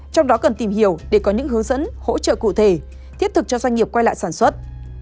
trong đó cần tìm hiểu để có những hướng dẫn hỗ trợ cụ thể thiết thực cho doanh nghiệp quay lại sản xuất